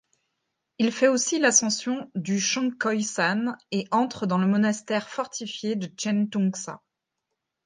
Il fait aussi l'ascension du Chongjok-San et entre dans le monastère fortifié de Tcheun-Toung-Sa.